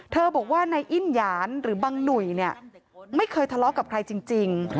บอกว่านายอิ้นหยานหรือบังหนุ่ยเนี่ยไม่เคยทะเลาะกับใครจริง